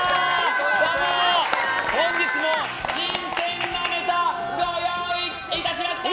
本日も新鮮なネタご用意いたしました！